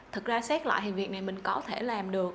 thật ra xét lại thì việc này mình có thể làm được